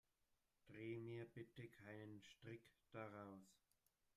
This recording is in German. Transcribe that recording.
Dreh mir bitte keinen Strick daraus.